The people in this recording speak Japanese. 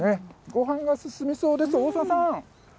ごはんが進みそうです、大澤さん。